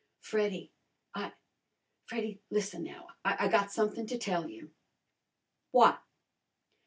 "Freddy I Freddy, lissen now. I got somethin' to tell you." "What?"